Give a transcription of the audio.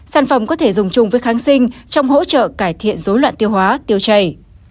sản phẩm có thể dùng chung với kháng sinh trong hỗ trợ cải thiện dối loạn tiêu hóa tiêu chảy